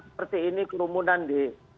seperti ini kerumunan di